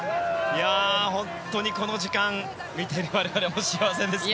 本当にこの時間、見ている我々も幸せですね。